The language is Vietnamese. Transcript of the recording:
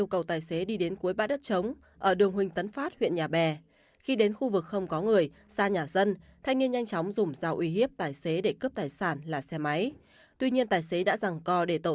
công an huyện nhà bè tp hcm